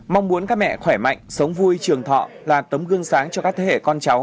mong muốn các mẹ khỏe mạnh sống vui trường thọ là tấm gương sáng cho các thế hệ con cháu